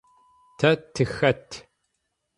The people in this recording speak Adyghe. Тэ тыхэт?